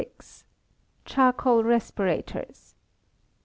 Charcoal Respirators.